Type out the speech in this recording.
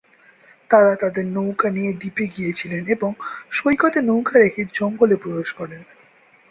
তারা তাদের নৌকা নিয়ে দ্বীপে গিয়েছিলেন এবং সৈকতে নৌকা রেখে জঙ্গলে প্রবেশ করেন।